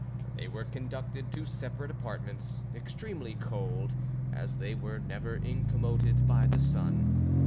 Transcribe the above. They were conducted to separate apartments, extremely cold, as they were never incommoded by the sun.